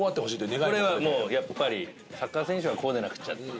これはもうやっぱりサッカー選手はこうでなくちゃっていう。